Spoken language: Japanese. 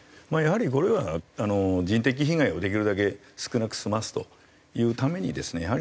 やはりこれは人的被害をできるだけ少なく済ますというためにですね